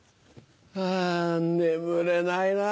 あ眠れないな。